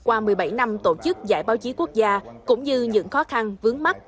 qua một mươi bảy năm tổ chức giải báo chí quốc gia cũng như những khó khăn vướng mắt